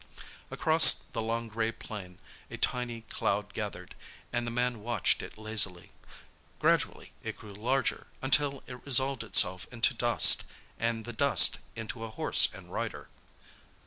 Across the long, grey plain a tiny cloud gathered, and the man watched it lazily. Gradually it grew larger, until it resolved itself into dust—and the dust into a horse and rider.